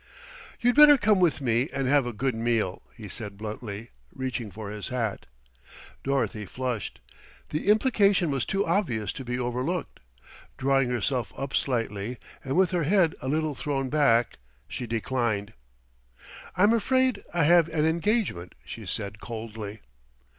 "You'd better come with me and have a good meal," he said bluntly, reaching for his hat. Dorothy flushed. The implication was too obvious to be overlooked. Drawing herself up slightly, and with her head a little thrown back, she declined. "I'm afraid I have an engagement," she said coldly.